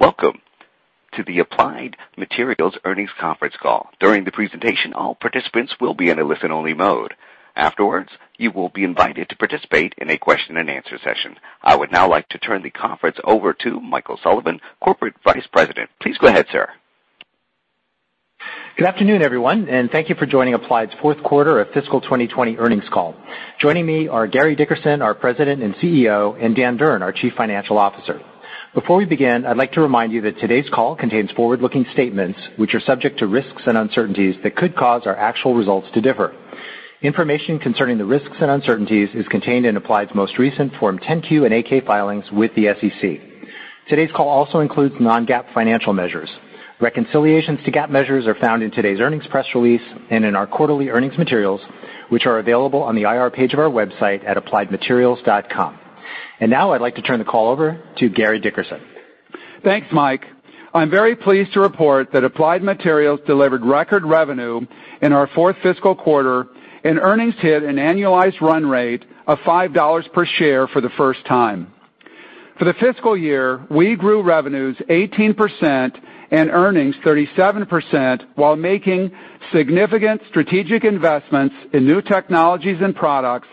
Welcome to the Applied Materials earnings conference call. During the presentation, all participants will be in a listen-only mode. Afterwards, you will be invited to participate in a question-and-answer session. I would now like to turn the conference over to Michael Sullivan, Corporate Vice President. Please go ahead, sir. Good afternoon, everyone, and thank you for joining Applied's fourth quarter of fiscal 2020 earnings call. Joining me are Gary Dickerson, our President and CEO, and Dan Durn, our Chief Financial Officer. Before we begin, I'd like to remind you that today's call contains forward-looking statements which are subject to risks and uncertainties that could cause our actual results to differ. Information concerning the risks and uncertainties is contained in Applied's most recent Form 10-Q and 8-K filings with the SEC. Today's call also includes non-GAAP financial measures. Reconciliations to GAAP measures are found in today's earnings press release and in our quarterly earnings materials, which are available on the IR page of our website at appliedmaterials.com. Now I'd like to turn the call over to Gary Dickerson. Thanks, Mike. I'm very pleased to report that Applied Materials delivered record revenue in our fourth fiscal quarter, and earnings hit an annualized run rate of $5 per share for the first time. For the fiscal year, we grew revenues 18% and earnings 37% while making significant strategic investments in new technologies and products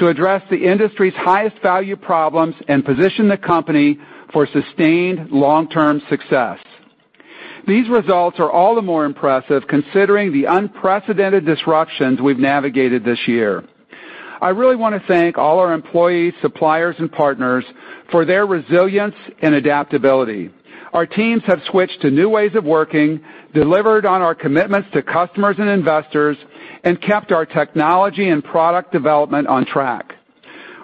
to address the industry's highest value problems and position the company for sustained long-term success. These results are all the more impressive considering the unprecedented disruptions we've navigated this year. I really want to thank all our employees, suppliers and partners for their resilience and adaptability. Our teams have switched to new ways of working, delivered on our commitments to customers and investors, and kept our technology and product development on track.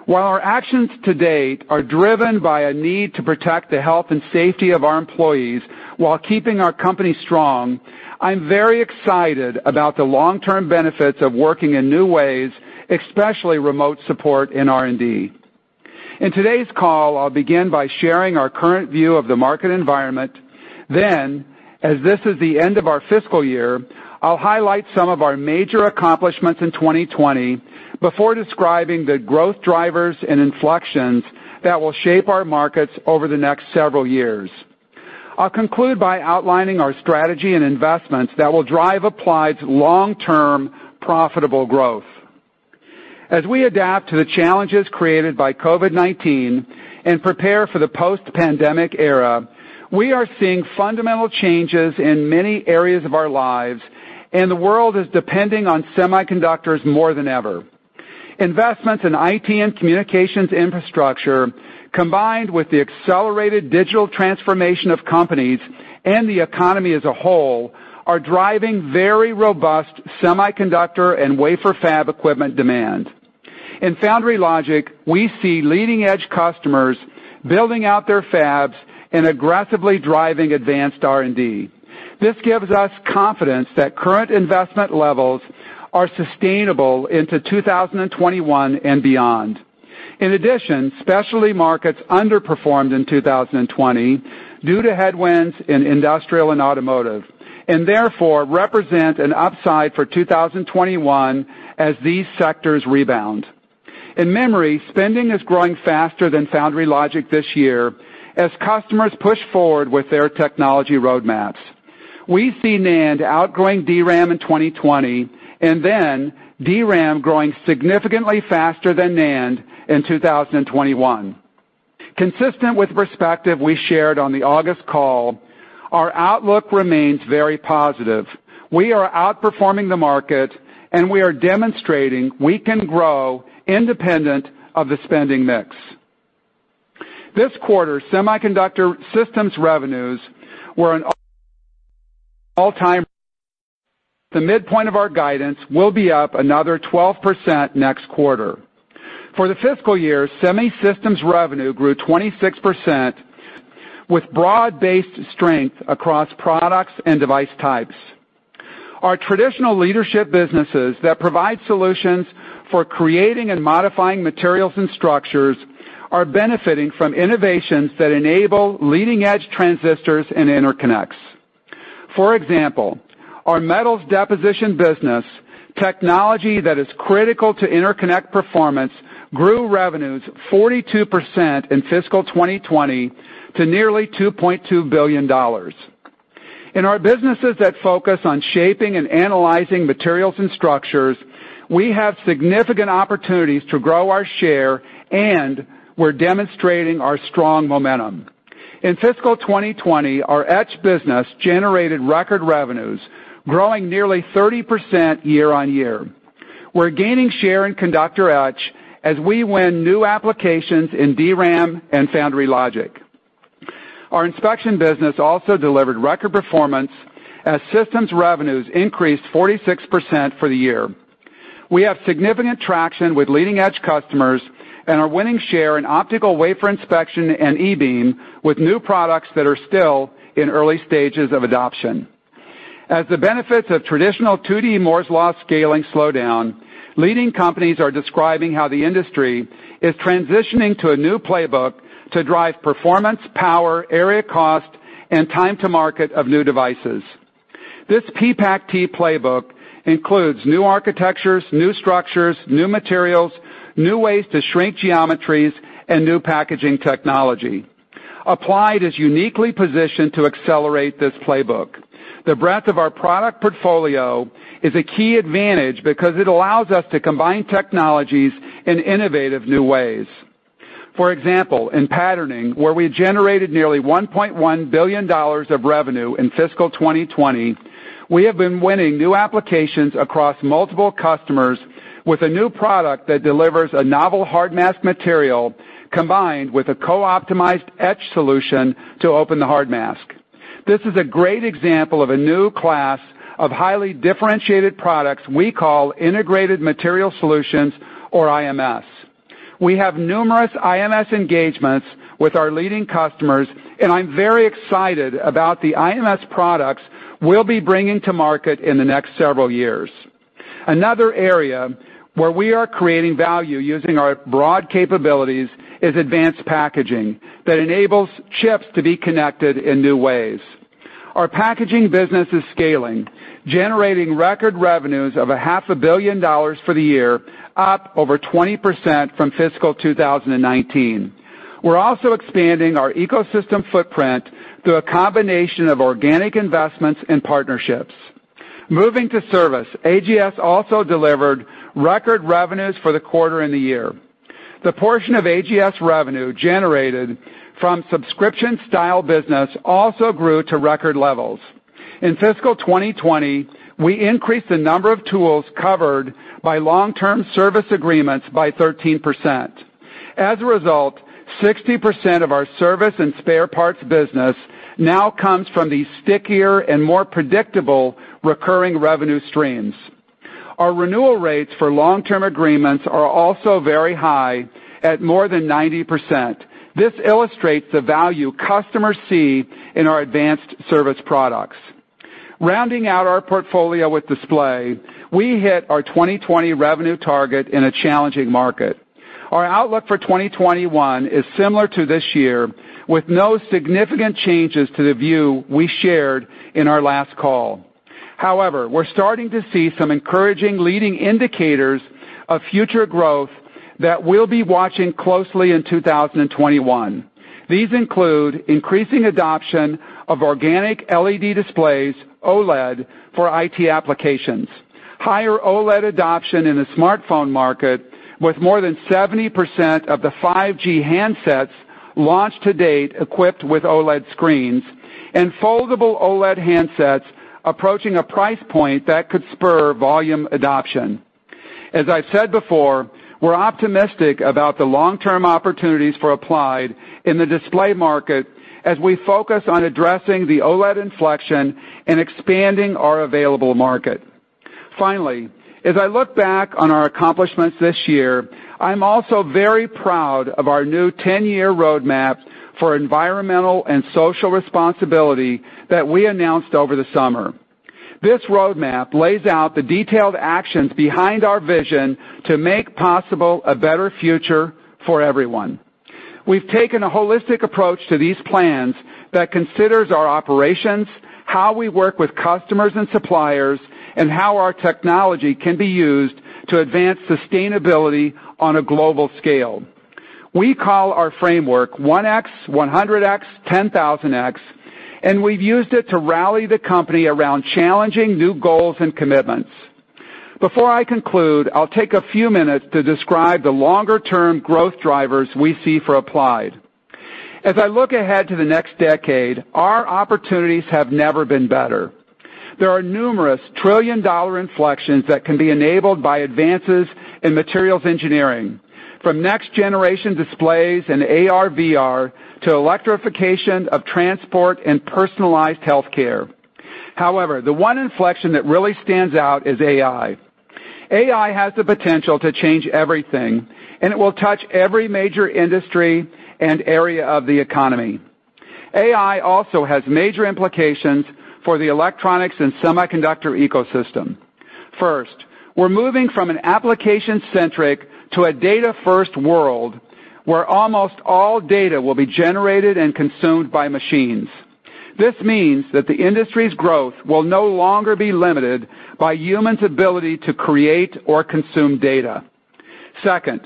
While our actions to date are driven by a need to protect the health and safety of our employees while keeping our company strong, I'm very excited about the long-term benefits of working in new ways, especially remote support in R&D. In today's call, I'll begin by sharing our current view of the market environment. Then, as this is the end of our fiscal year, I'll highlight some of our major accomplishments in 2020 before describing the growth drivers and inflections that will shape our markets over the next several years. I'll conclude by outlining our strategy and investments that will drive Applied's long-term profitable growth. As we adapt to the challenges created by COVID-19 and prepare for the post-pandemic era, we are seeing fundamental changes in many areas of our lives, and the world is depending on semiconductors more than ever. Investments in IT and communications infrastructure, combined with the accelerated digital transformation of companies and the economy as a whole, are driving very robust semiconductor and wafer fab equipment demand. In foundry logic, we see leading-edge customers building out their fabs and aggressively driving advanced R&D. This gives us confidence that current investment levels are sustainable into 2021 and beyond. In addition, specialty markets underperformed in 2020 due to headwinds in industrial and automotive, and therefore represent an upside for 2021 as these sectors rebound. In memory, spending is growing faster than foundry logic this year as customers push forward with their technology roadmaps. We see NAND outgrowing DRAM in 2020 and then DRAM growing significantly faster than NAND in 2021. Consistent with perspective we shared on the August call, our outlook remains very positive. We are outperforming the market, and we are demonstrating we can grow independent of the spending mix. This quarter, semiconductor systems revenues were an all-time. The midpoint of our guidance will be up another 12% next quarter. For the fiscal year, semi systems revenue grew 26% with broad-based strength across products and device types. Our traditional leadership businesses that provide solutions for creating and modifying materials and structures are benefiting from innovations that enable leading-edge transistors and interconnects. For example, our metals deposition business, technology that is critical to interconnect performance, grew revenues 42% in fiscal 2020 to nearly $2.2 billion. In our businesses that focus on shaping and analyzing materials and structures, we have significant opportunities to grow our share, and we're demonstrating our strong momentum. In fiscal 2020, our etch business generated record revenues, growing nearly 30% year-on-year. We're gaining share in conductor etch as we win new applications in DRAM and foundry logic. Our inspection business also delivered record performance as systems revenues increased 46% for the year. We have significant traction with leading-edge customers and are winning share in optical wafer inspection and e-beam with new products that are still in early stages of adoption. As the benefits of traditional 2D Moore's Law scaling slow down, leading companies are describing how the industry is transitioning to a new playbook to drive performance, power, area cost, and time to market of new devices. This PPAC-T playbook includes new architectures, new structures, new materials, new ways to shrink geometries, and new packaging technology. Applied is uniquely positioned to accelerate this playbook. The breadth of our product portfolio is a key advantage because it allows us to combine technologies in innovative new ways. For example, in patterning, where we generated nearly $1.1 billion of revenue in fiscal 2020, we have been winning new applications across multiple customers with a new product that delivers a novel hard mask material combined with a co-optimized etch solution to open the hard mask. This is a great example of a new class of highly differentiated products we call Integrated Material Solutions, or IMS. We have numerous IMS engagements with our leading customers, and I'm very excited about the IMS products we'll be bringing to market in the next several years. Another area where we are creating value using our broad capabilities is advanced packaging that enables chips to be connected in new ways. Our packaging business is scaling, generating record revenues of a half a billion dollars for the year, up over 20% from fiscal 2019. We're also expanding our ecosystem footprint through a combination of organic investments and partnerships. Moving to service, AGS also delivered record revenues for the quarter and the year. The portion of AGS revenue generated from subscription-style business also grew to record levels. In fiscal 2020, we increased the number of tools covered by long-term service agreements by 13%. As a result, 60% of our service and spare parts business now comes from these stickier and more predictable recurring revenue streams. Our renewal rates for long-term agreements are also very high at more than 90%. This illustrates the value customers see in our advanced service products. Rounding out our portfolio with display, we hit our 2020 revenue target in a challenging market. Our outlook for 2021 is similar to this year, with no significant changes to the view we shared in our last call. However, we're starting to see some encouraging leading indicators of future growth that we'll be watching closely in 2021. These include increasing adoption of organic LED displays, OLED, for IT applications, higher OLED adoption in the smartphone market, with more than 70% of the 5G handsets launched to date equipped with OLED screens, and foldable OLED handsets approaching a price point that could spur volume adoption. As I've said before, we're optimistic about the long-term opportunities for Applied in the display market as we focus on addressing the OLED inflection and expanding our available market. Finally, as I look back on our accomplishments this year, I'm also very proud of our new 10-year roadmap for environmental and social responsibility that we announced over the summer. This roadmap lays out the detailed actions behind our vision to make possible a better future for everyone. We've taken a holistic approach to these plans that considers our operations, how we work with customers and suppliers, and how our technology can be used to advance sustainability on a global scale. We call our framework 1X, 100X, 10,000X, and we've used it to rally the company around challenging new goals and commitments. Before I conclude, I'll take a few minutes to describe the longer-term growth drivers we see for Applied. As I look ahead to the next decade, our opportunities have never been better. There are numerous trillion-dollar inflections that can be enabled by advances in materials engineering, from next-generation displays and AR/VR to electrification of transport and personalized healthcare. However, the one inflection that really stands out is AI. AI has the potential to change everything, and it will touch every major industry and area of the economy. AI also has major implications for the electronics and semiconductor ecosystem. First, we're moving from an application-centric to a data-first world where almost all data will be generated and consumed by machines. This means that the industry's growth will no longer be limited by humans' ability to create or consume data. Second,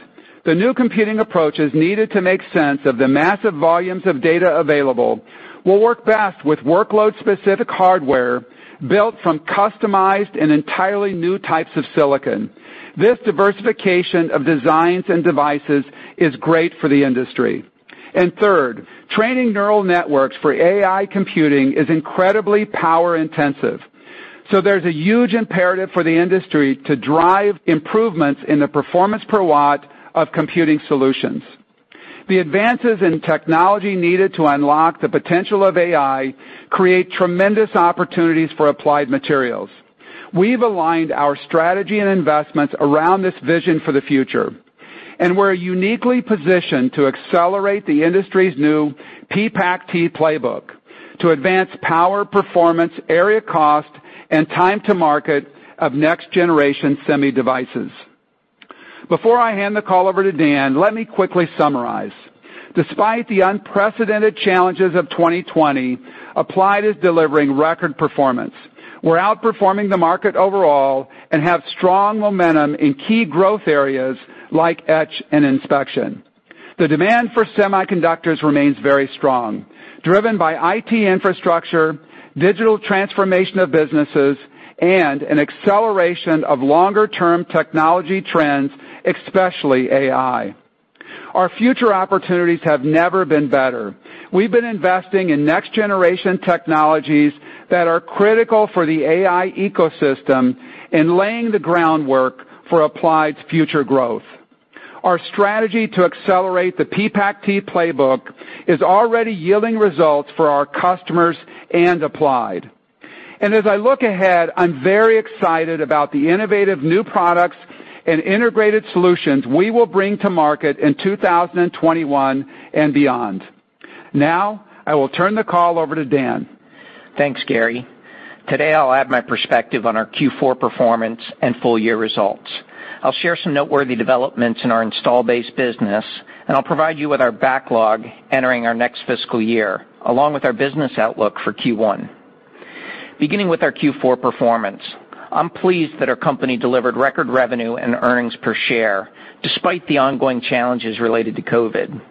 the new computing approaches needed to make sense of the massive volumes of data available will work best with workload-specific hardware built from customized and entirely new types of silicon. This diversification of designs and devices is great for the industry. Third, training neural networks for AI computing is incredibly power-intensive, so there's a huge imperative for the industry to drive improvements in the performance per watt of computing solutions. The advances in technology needed to unlock the potential of AI create tremendous opportunities for Applied Materials. We've aligned our strategy and investments around this vision for the future, and we're uniquely positioned to accelerate the industry's new PPAC-T playbook to advance power, performance, area cost, and time to market of next-generation semi devices. Before I hand the call over to Dan, let me quickly summarize. Despite the unprecedented challenges of 2020, Applied is delivering record performance. We're outperforming the market overall and have strong momentum in key growth areas like etch and inspection. The demand for semiconductors remains very strong, driven by IT infrastructure, digital transformation of businesses, and an acceleration of longer-term technology trends, especially AI. Our future opportunities have never been better. We've been investing in next-generation technologies that are critical for the AI ecosystem and laying the groundwork for Applied's future growth. Our strategy to accelerate the PPAC-T playbook is already yielding results for our customers and Applied. As I look ahead, I'm very excited about the innovative new products and integrated solutions we will bring to market in 2021 and beyond. Now, I will turn the call over to Dan. Thanks, Gary. Today, I'll add my perspective on our Q4 performance and full-year results. I'll share some noteworthy developments in our installed base business. I'll provide you with our backlog entering our next fiscal year, along with our business outlook for Q1. Beginning with our Q4 performance, I'm pleased that our company delivered record revenue and earnings per share despite the ongoing challenges related to COVID.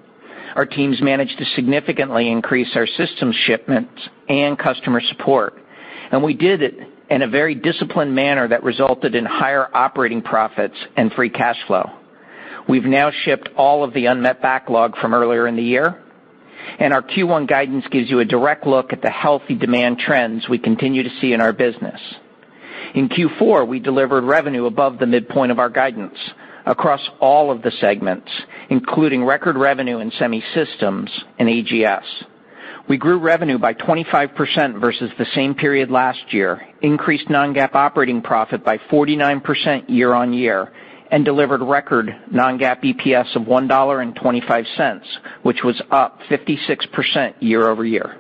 Our teams managed to significantly increase our systems shipments and customer support. We did it in a very disciplined manner that resulted in higher operating profits and free cash flow. We've now shipped all of the unmet backlog from earlier in the year. Our Q1 guidance gives you a direct look at the healthy demand trends we continue to see in our business. In Q4, we delivered revenue above the midpoint of our guidance across all of the segments, including record revenue in Semi Systems and AGS. We grew revenue by 25% versus the same period last year, increased non-GAAP operating profit by 49% year-on-year, and delivered record non-GAAP EPS of $1.25, which was up 56% year-over-year.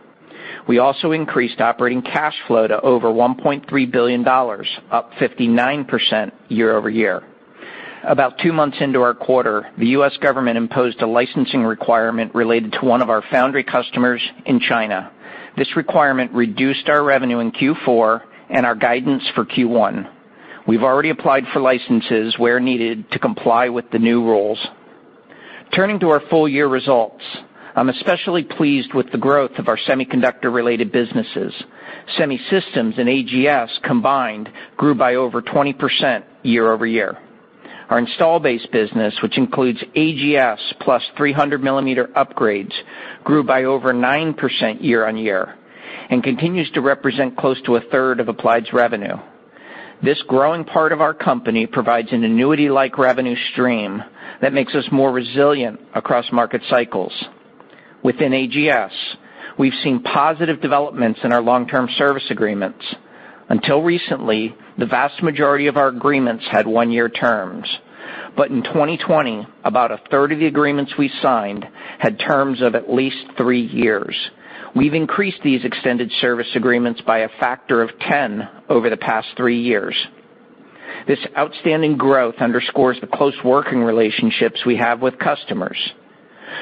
We also increased operating cash flow to over $1.3 billion, up 59% year-over-year. About two months into our quarter, the U.S. government imposed a licensing requirement related to one of our foundry customers in China. This requirement reduced our revenue in Q4 and our guidance for Q1. We've already applied for licenses where needed to comply with the new rules. Turning to our full-year results, I'm especially pleased with the growth of our semiconductor-related businesses. Semi Systems and AGS combined grew by over 20% year-over-year. Our install-based business, which includes AGS plus 300 mm upgrades, grew by over 9% year-on-year and continues to represent close to a third of Applied's revenue. This growing part of our company provides an annuity-like revenue stream that makes us more resilient across market cycles. Within AGS, we've seen positive developments in our long-term service agreements. Until recently, the vast majority of our agreements had one-year terms. In 2020, about a third of the agreements we signed had terms of at least three years. We've increased these extended service agreements by a factor of 10 over the past three years. This outstanding growth underscores the close working relationships we have with customers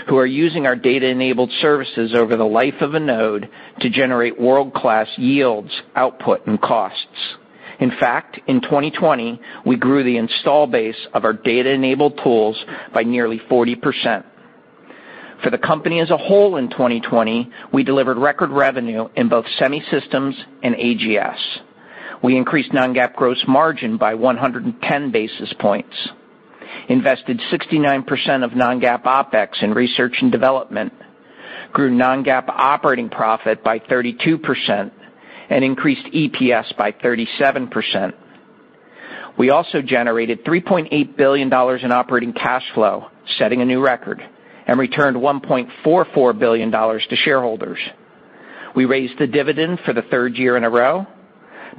who are using our data-enabled services over the life of a node to generate world-class yields, output, and costs. In fact, in 2020, we grew the install-base of our data-enabled tools by nearly 40%. For the company as a whole in 2020, we delivered record revenue in both Semi Systems and AGS. We increased non-GAAP gross margin by 110 basis points, invested 69% of non-GAAP OpEx in research and development, grew non-GAAP operating profit by 32%, and increased EPS by 37%. We also generated $3.8 billion in operating cash flow, setting a new record, and returned $1.44 billion to shareholders. We raised the dividend for the third year in a row,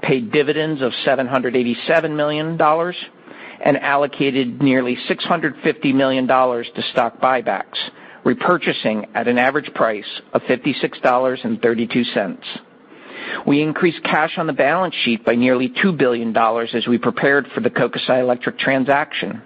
paid dividends of $787 million, and allocated nearly $650 million to stock buybacks, repurchasing at an average price of $56.32. We increased cash on the balance sheet by nearly $2 billion as we prepared for the Kokusai Electric transaction.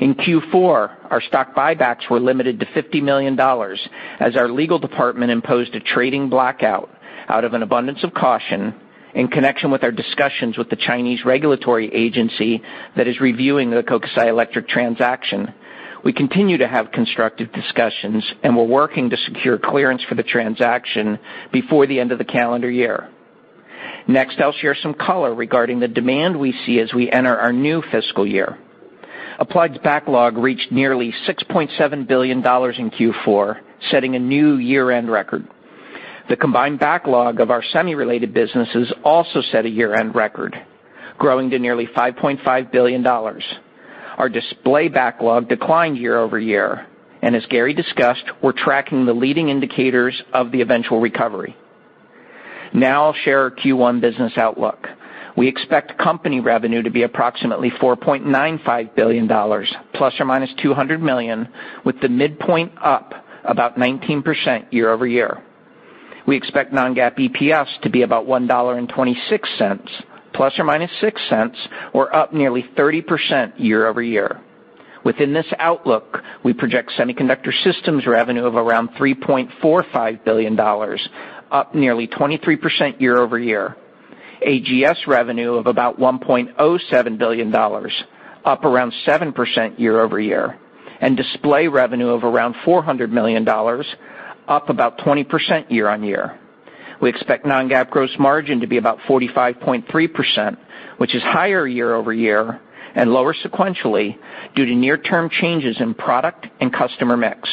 In Q4, our stock buybacks were limited to $50 million as our legal department imposed a trading blackout out of an abundance of caution in connection with our discussions with the Chinese regulatory agency that is reviewing the Kokusai Electric transaction. We continue to have constructive discussions, and we're working to secure clearance for the transaction before the end of the calendar year. Next, I'll share some color regarding the demand we see as we enter our new fiscal year. Applied's backlog reached nearly $6.7 billion in Q4, setting a new year-end record. The combined backlog of our semi-related businesses also set a year-end record, growing to nearly $5.5 billion. Our display backlog declined year-over-year, and as Gary discussed, we're tracking the leading indicators of the eventual recovery. Now, I'll share our Q1 business outlook. We expect company revenue to be approximately $4.95 billion ±$200 million, with the midpoint up about 19% year-over-year. We expect non-GAAP EPS to be about $1.26 ±$0.06, or up nearly 30% year-over-year. Within this outlook, we project Semiconductor Systems revenue of around $3.45 billion, up nearly 23% year-over-year. AGS revenue of about $1.07 billion, up around 7% year-over-year, and display revenue of around $400 million, up about 20% year-on-year. We expect non-GAAP gross margin to be about 45.3%, which is higher year-over-year and lower sequentially due to near-term changes in product and customer mix.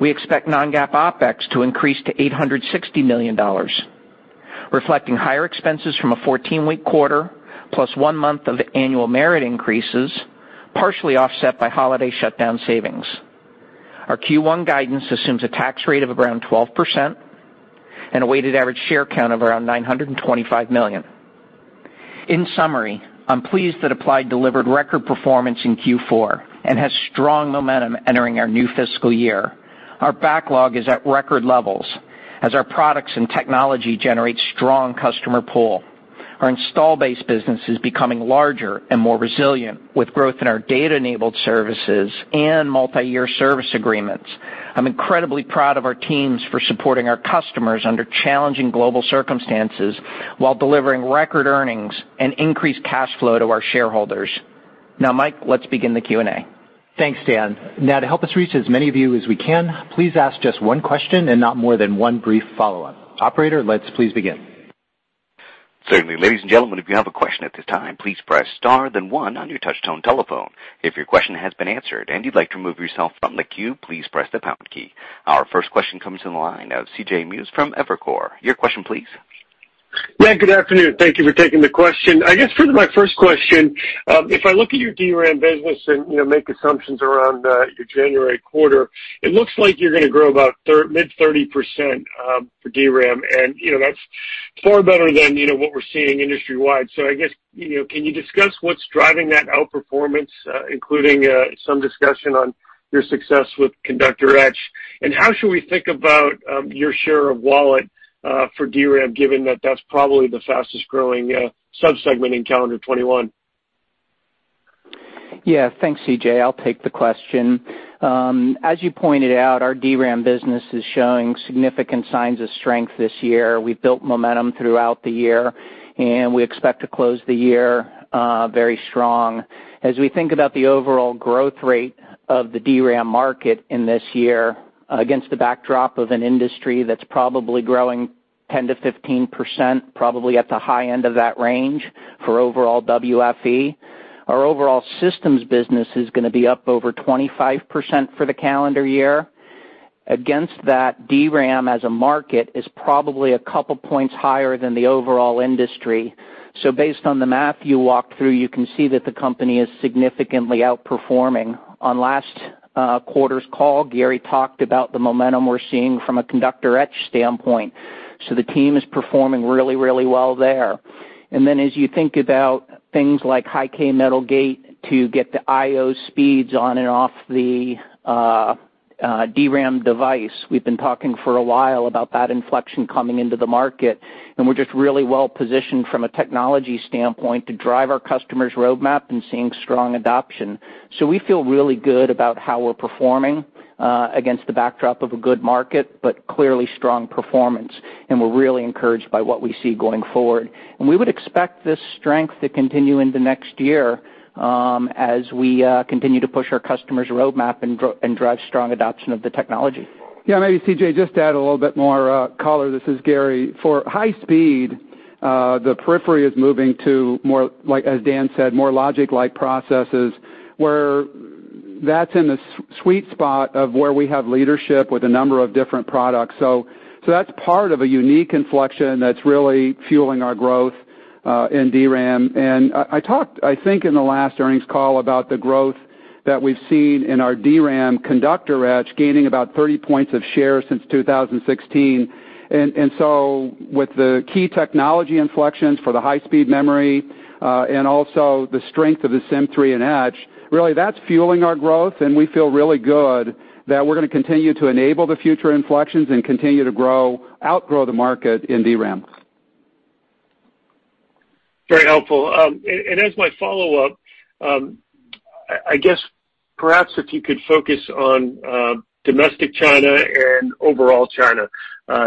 We expect non-GAAP OpEx to increase to $860 million, reflecting higher expenses from a 14-week quarter plus one month of annual merit increases, partially offset by holiday shutdown savings. Our Q1 guidance assumes a tax rate of around 12% and a weighted average share count of around 925 million. In summary, I'm pleased that Applied delivered record performance in Q4 and has strong momentum entering our new fiscal year. Our backlog is at record levels as our products and technology generates strong customer pull. Our install-based business is becoming larger and more resilient, with growth in our data-enabled services and multi-year service agreements. I'm incredibly proud of our teams for supporting our customers under challenging global circumstances while delivering record earnings and increased cash flow to our shareholders. Mike, let's begin the Q&A. Thanks, Dan. Now, to help us reach as many of you as we can, please ask just one question and not more than one brief follow-up. Operator, let's please begin. Certainly. Ladies and gentlemen, if you have a question at this time, please press star then one on your touch tone telephone. If your question has been answered, and you like to remove yourself on the queue, please press the pound key. Our first question comes from the line of CJ Muse from Evercore. Your question, please. Yeah, good afternoon. Thank you for taking the question. I guess for my first question, if I look at your DRAM business and, you know, make assumptions around your January quarter, it looks like you're gonna grow about mid-30% for DRAM, and, you know, that's far better than, you know, what we're seeing industry-wide. I guess, you know, can you discuss what's driving that outperformance, including some discussion on your success with conductor etch? How should we think about your share of wallet for DRAM, given that that's probably the fastest growing sub-segment in calendar 2021? Yeah. Thanks, CJ. I'll take the question. As you pointed out, our DRAM business is showing significant signs of strength this year. We've built momentum throughout the year, and we expect to close the year very strong. As we think about the overall growth rate of the DRAM market in this year against the backdrop of an industry that's probably growing 10%-15%, probably at the high end of that range for overall WFE, our overall systems business is going to be up over 25% for the calendar year. Against that, DRAM as a market is probably a couple points higher than the overall industry. Based on the math you walked through, you can see that the company is significantly outperforming. On last quarter's call, Gary talked about the momentum we're seeing from a conductor etch standpoint, the team is performing really well there. As you think about things like High-K Metal Gate to get the I/O speeds on and off the DRAM device, we've been talking for a while about that inflection coming into the market, we're just really well-positioned from a technology standpoint to drive our customers' roadmap and seeing strong adoption. We feel really good about how we're performing against the backdrop of a good market, but clearly strong performance, we're really encouraged by what we see going forward. We would expect this strength to continue into next year, as we continue to push our customers' roadmap and drive strong adoption of the technology. Yeah. Maybe CJ, just to add a little bit more color, this is Gary. For high speed, the periphery is moving to more, like as Dan said, more logic-like processes, where that's in the sweet spot of where we have leadership with a number of different products. That's part of a unique inflection that's really fueling our growth in DRAM. I talked, I think, in the last earnings call about the growth that we've seen in our DRAM conductor etch gaining about 30 points of share since 2016. With the key technology inflections for the high-speed memory, and also the strength of the Sym3 in etch, really, that's fueling our growth, and we feel really good that we're gonna continue to enable the future inflections and continue to grow, outgrow the market in DRAM. Very helpful. As my follow-up, perhaps if you could focus on domestic China and overall China.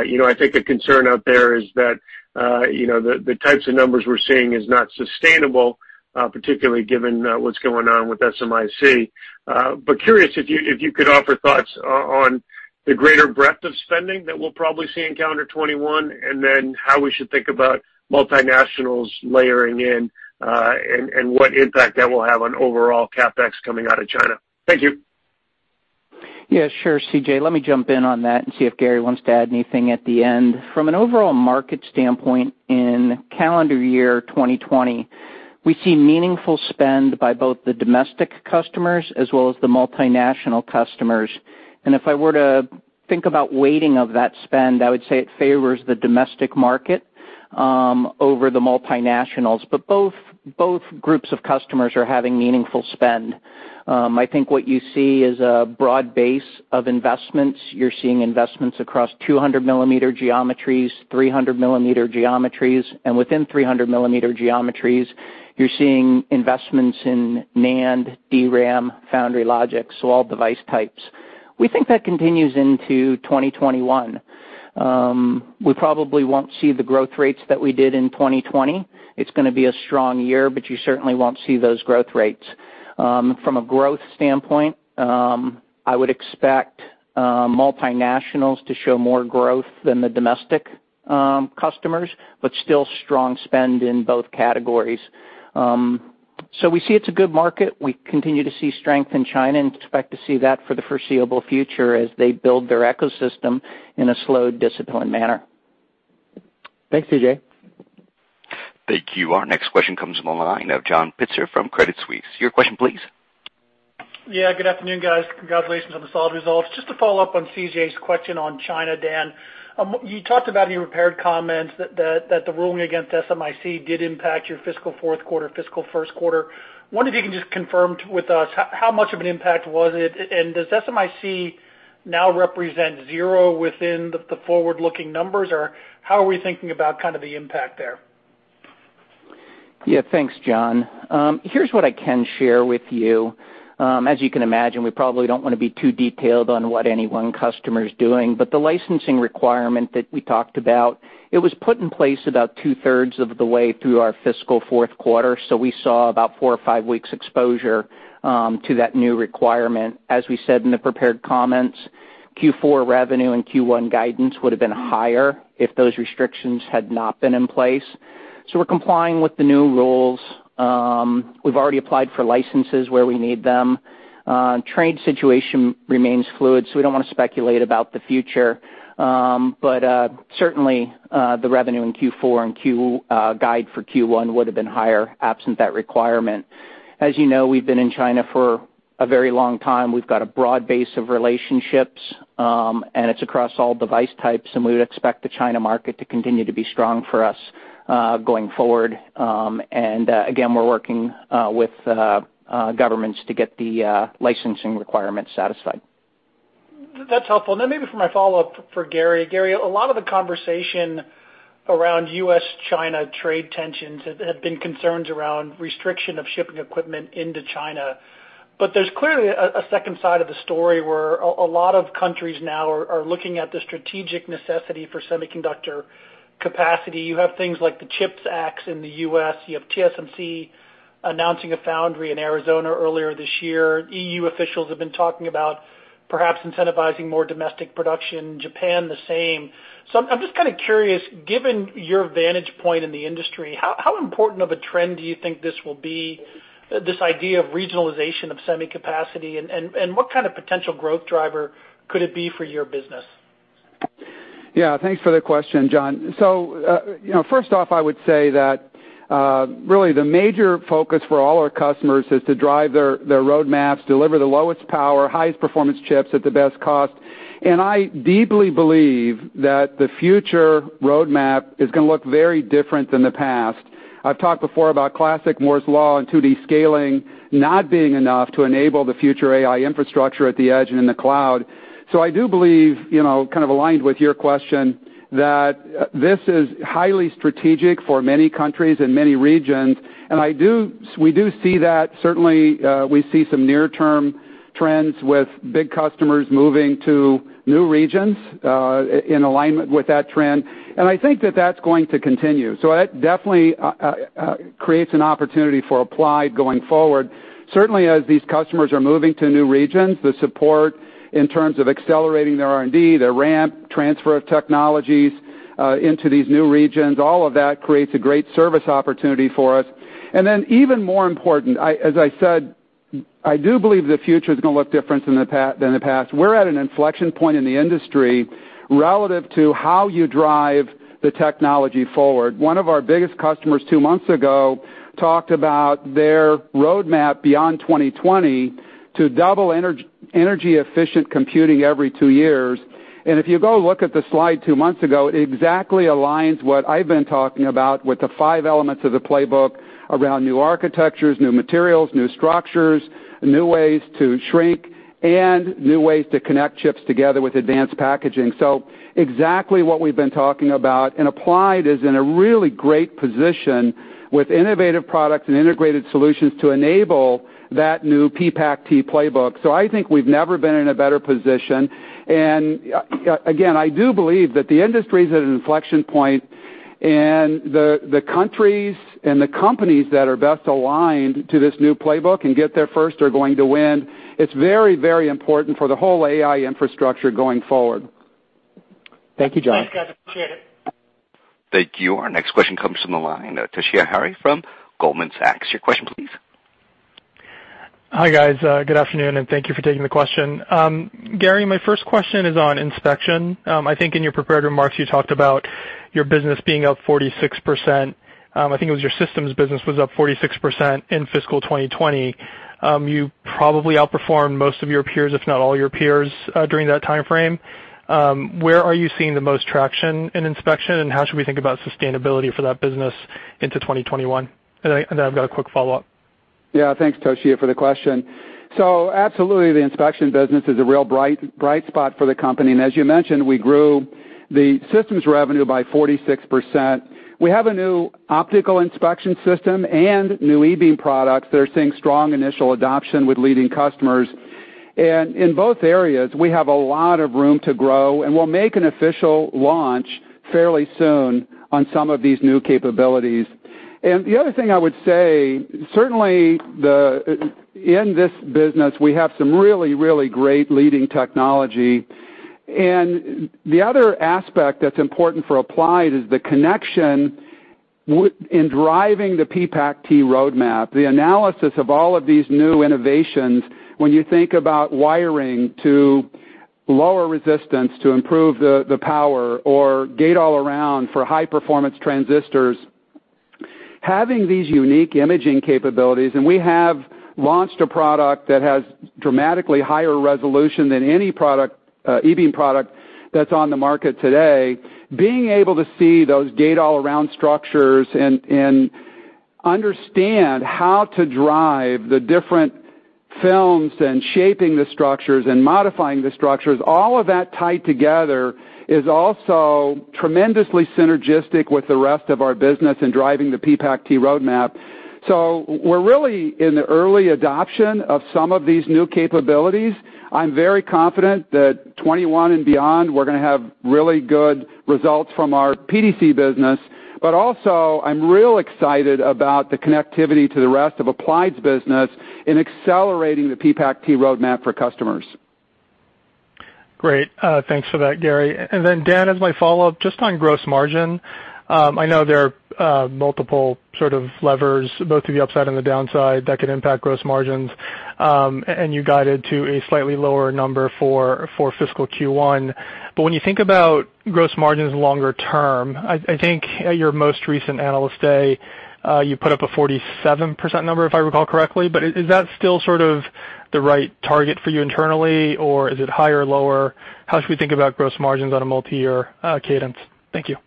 You know, I think the concern out there is that, you know, the types of numbers we're seeing is not sustainable, particularly given what's going on with SMIC. Curious if you could offer thoughts on the greater breadth of spending that we'll probably see in calendar 2021, and then how we should think about multinationals layering in, and what impact that will have on overall CapEx coming out of China. Thank you. Sure, CJ. Let me jump in on that and see if Gary wants to add anything at the end. From an overall market standpoint in calendar year 2020, we see meaningful spend by both the domestic customers as well as the multinational customers. If I were to think about weighting of that spend, I would say it favors the domestic market. Over the multinationals, both groups of customers are having meaningful spend. I think what you see is a broad base of investments. You're seeing investments across 200 mm geometries, 300 mm geometries, and within 300 mm geometries, you're seeing investments in NAND, DRAM, foundry logic, so all device types. We think that continues into 2021. We probably won't see the growth rates that we did in 2020. It's gonna be a strong year. You certainly won't see those growth rates. From a growth standpoint, I would expect multinationals to show more growth than the domestic customers, but still strong spend in both categories. We see it's a good market. We continue to see strength in China and expect to see that for the foreseeable future as they build their ecosystem in a slow, disciplined manner. Thanks, CJ. Thank you. Our next question comes from the line of John Pitzer from Credit Suisse. Your question please. Yeah, good afternoon, guys. Congratulations on the solid results. Just to follow up on CJ's question on China, Dan. You talked about in your prepared comments that the ruling against SMIC did impact your fiscal fourth quarter, fiscal first quarter. Wonder if you can just confirm with us how much of an impact was it, and does SMIC now represent zero within the forward-looking numbers, or how are we thinking about kind of the impact there? Yeah, thanks, John. Here's what I can share with you. As you can imagine, we probably don't wanna be too detailed on what any one customer is doing, but the licensing requirement that we talked about, it was put in place about 2/3 of the way through our fiscal fourth quarter, so we saw about four or five weeks exposure to that new requirement. As we said in the prepared comments, Q4 revenue and Q1 guidance would've been higher if those restrictions had not been in place. We're complying with the new rules. We've already applied for licenses where we need them. Trade situation remains fluid, we don't wanna speculate about the future. Certainly, the revenue in Q4 and guide for Q1 would've been higher absent that requirement. As you know, we've been in China for a very long time. We've got a broad base of relationships, it's across all device types, and we would expect the China market to continue to be strong for us going forward. Again, we're working with governments to get the licensing requirements satisfied. That's helpful. Then maybe for my follow-up for Gary. Gary, a lot of the conversation around U.S.-China trade tensions have been concerns around restriction of shipping equipment into China. There's clearly a second side of the story where a lot of countries now are looking at the strategic necessity for semiconductor capacity. You have things like the CHIPS Act in the U.S. You have TSMC announcing a foundry in Arizona earlier this year. EU officials have been talking about perhaps incentivizing more domestic production. Japan, the same. I'm just kind of curious, given your vantage point in the industry, how important of a trend do you think this will be, this idea of regionalization of semi capacity and what kind of potential growth driver could it be for your business? Thanks for the question, John. You know, first off, I would say that really the major focus for all our customers is to drive their roadmaps, deliver the lowest power, highest performance chips at the best cost. I deeply believe that the future roadmap is gonna look very different than the past. I've talked before about classic Moore's Law and 2D scaling not being enough to enable the future AI infrastructure at the edge and in the cloud. I do believe, you know, kind of aligned with your question, that this is highly strategic for many countries and many regions, and we do see that. Certainly, we see some near-term trends with big customers moving to new regions, in alignment with that trend, and I think that that's going to continue. That definitely creates an opportunity for Applied going forward. Certainly, as these customers are moving to new regions, the support in terms of accelerating their R&D, their ramp, transfer of technologies into these new regions, all of that creates a great service opportunity for us. Even more important, as I said, I do believe the future is going to look different than the past. We're at an inflection point in the industry relative to how you drive the technology forward. One of our biggest customers two months ago talked about their roadmap beyond 2020 to double energy efficient computing every two years. If you go look at the slide two months ago, it exactly aligns what I've been talking about with the five elements of the playbook around new architectures, new materials, new structures, new ways to shrink, and new ways to connect chips together with advanced packaging. Exactly what we've been talking about, and Applied is in a really great position with innovative products and integrated solutions to enable that new PPAC-T playbook. I think we've never been in a better position. Again, I do believe that the industry is at an inflection point, and the countries and the companies that are best aligned to this new playbook and get there first are going to win. It's very important for the whole AI infrastructure going forward. Thank you, John. Thanks, guys. Appreciate it. Thank you. Our next question comes from the line of Toshiya Hari from Goldman Sachs. Your question please. Hi, guys. Good afternoon, and thank you for taking the question. Gary, my first question is on inspection. I think in your prepared remarks you talked about your business being up 46%. I think it was your systems business was up 46% in fiscal 2020. You probably outperformed most of your peers, if not all your peers, during that timeframe. Where are you seeing the most traction in inspection, and how should we think about sustainability for that business into 2021? Then I've got a quick follow-up. Yeah. Thanks, Toshiya, for the question. Absolutely the inspection business is a real bright spot for the company. As you mentioned, we grew the systems revenue by 46%. We have a new optical inspection system and new e-beam products that are seeing strong initial adoption with leading customers. In both areas, we have a lot of room to grow, and we'll make an official launch fairly soon on some of these new capabilities. The other thing I would say, certainly the in this business we have some really great leading technology. The other aspect that's important for Applied is the connection in driving the PPAC-T roadmap, the analysis of all of these new innovations, when you think about wiring to lower resistance to improve the power or Gate-All-Around for high performance transistors, having these unique imaging capabilities, we have launched a product that has dramatically higher resolution than any product, e-beam product that's on the market today. Being able to see those Gate-All-Around structures and understand how to drive the different films and shaping the structures and modifying the structures, all of that tied together is also tremendously synergistic with the rest of our business in driving the PPAC-T roadmap. We're really in the early adoption of some of these new capabilities. I'm very confident that 2021 and beyond, we're gonna have really good results from our PDC business, but also I'm real excited about the connectivity to the rest of Applied's business in accelerating the PPAC-T roadmap for customers. Great. Thanks for that, Gary. Then Dan, as my follow-up, just on gross margin, I know there are multiple sort of levers, both to the upside and the downside that could impact gross margins, and you guided to a slightly lower number for fiscal Q1. When you think about gross margins longer term, I think at your most recent Analyst Day, you put up a 47% number, if I recall correctly. Is that still sort of the right target for you internally, or is it higher, lower? How should we think about gross margins on a multi-year cadence? Thank you.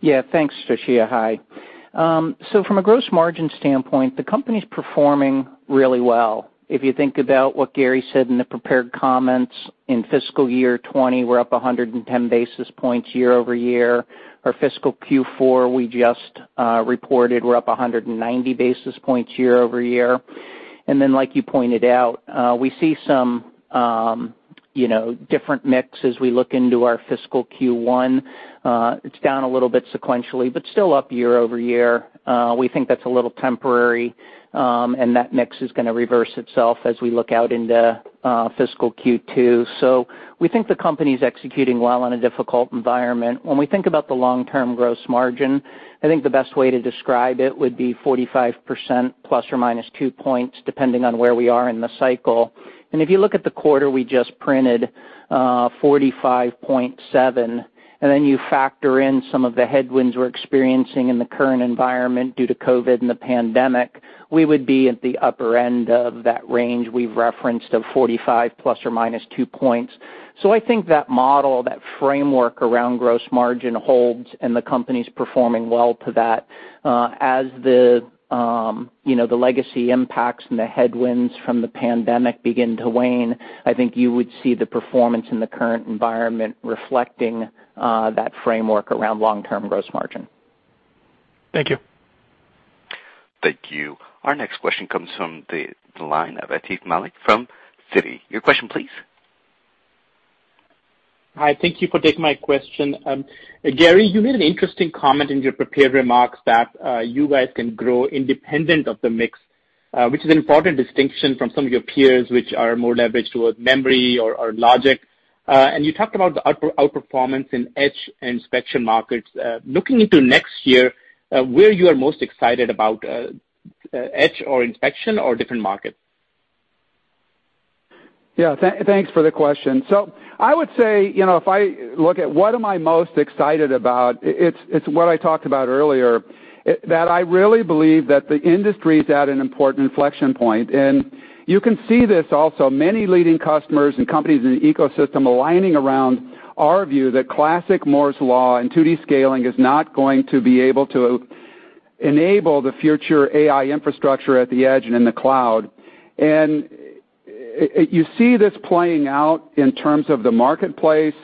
Yeah. Thanks, Toshiya. Hi. From a gross margin standpoint, the company's performing really well. If you think about what Gary said in the prepared comments, in fiscal year 2020, we're up 110 basis points year-over-year. Our fiscal Q4, we just reported, we're up 190 basis points year-over-year. Like you pointed out, we see some, you know, different mix as we look into our fiscal Q1. It's down a little bit sequentially, but still up year-over-year. We think that's a little temporary, and that mix is gonna reverse itself as we look out into fiscal Q2. We think the company's executing well in a difficult environment. When we think about the long-term gross margin, I think the best way to describe it would be 45% ±2 points, depending on where we are in the cycle. If you look at the quarter, we just printed 45.7, then you factor in some of the headwinds we're experiencing in the current environment due to COVID and the pandemic, we would be at the upper end of that range we've referenced of 45 ±2 points. I think that model, that framework around gross margin holds, and the company's performing well to that. As the, you know, the legacy impacts and the headwinds from the pandemic begin to wane, I think you would see the performance in the current environment reflecting that framework around long-term gross margin. Thank you. Thank you. Our next question comes from the line of Atif Malik from Citi. Your question please. Hi. Thank you for taking my question. Gary, you made an interesting comment in your prepared remarks that you guys can grow independent of the mix, which is an important distinction from some of your peers, which are more leveraged towards memory or logic. And you talked about the outperformance in etch inspection markets. Looking into next year, where you are most excited about etch or inspection or different markets? Yeah. Thanks for the question. I would say, you know, if I look at what am I most excited about, it's what I talked about earlier, that I really believe that the industry's at an important inflection point. You can see this also, many leading customers and companies in the ecosystem aligning around our view that classic Moore's Law and 2D scaling is not going to be able to enable the future AI infrastructure at the edge and in the cloud. You see this playing out in terms of the marketplace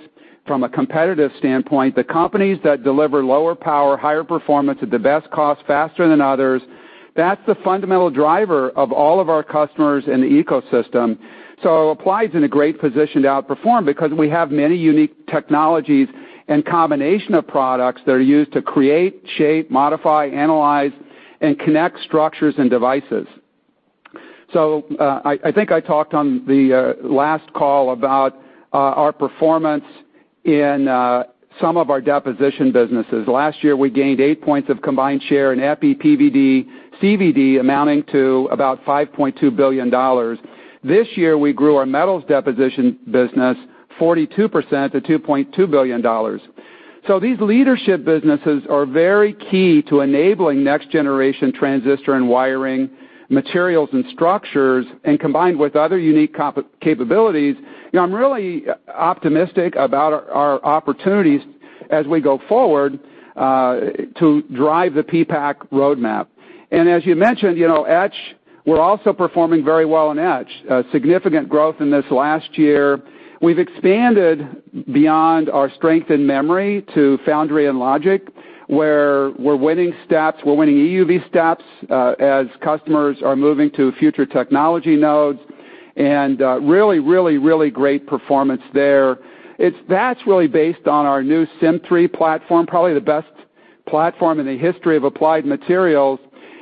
from a competitive standpoint. The companies that deliver lower power, higher performance at the best cost faster than others, that's the fundamental driver of all of our customers in the ecosystem. Applied's in a great position to outperform because we have many unique technologies and combination of products that are used to create, shape, modify, analyze, and connect structures and devices. I think I talked on the last call about our performance in some of our deposition businesses. Last year, we gained 8 points of combined share in EPI, PVD, CVD amounting to about $5.2 billion. This year, we grew our metals deposition business 42% to $2.2 billion. These leadership businesses are very key to enabling next generation transistor and wiring materials and structures, and combined with other unique capabilities, you know, I'm really optimistic about our opportunities as we go forward to drive the PPAC roadmap. As you mentioned, you know, etch, we're also performing very well in etch. Significant growth in this last year. We've expanded beyond our strength in memory to foundry and logic, where we're winning steps, we're winning EUV steps as customers are moving to future technology nodes, and really, really, really great performance there. That's really based on our new Centura platform, probably the best platform in the history of Applied Materials,